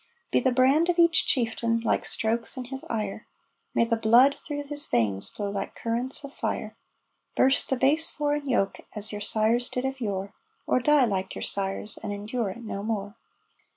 Be the brand of each Chieftain like Stroke's in his ire! May the blood through his veins flow like currents of fire! Burst the base foreign yoke as your sires did of yore, Or die like your sires, and endure it no more.